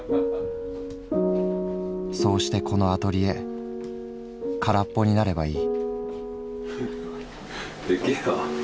そうしてこのアトリエ空っぽになればいい」。